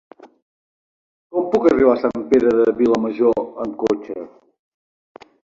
Com puc arribar a Sant Pere de Vilamajor amb cotxe?